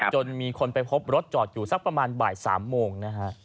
จนมีคนไปพบรถจอดอยู่สักประมาณบ่าย๓โมงนะฮะ